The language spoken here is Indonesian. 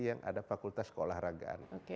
yang ada fakultas sekolah ragaan